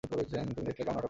তুমি দেখলে কেমন নাটক করলাম?